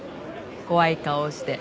怖い顔をして。